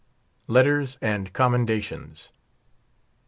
LETTERS AND COMMENDATIONS.